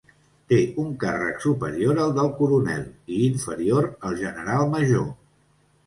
Té un càrrec superior al del coronel i inferior al general major.